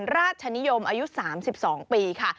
ราชนิยมอายุ๓๒ปีค่ะ